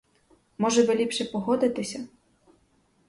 Може би ліпше погодитися?